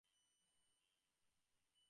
আমি তোমার মতো একটা ছোট্ট মেয়েকে চিনতাম।